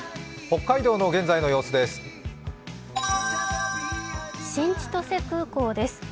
北海道の現在の様子です。